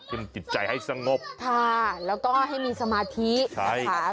จิตใจให้สงบค่ะแล้วก็ให้มีสมาธิใช่ค่ะ